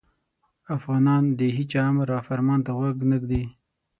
افغانان د هیچا امر او فرمان ته غوږ نه ږدي.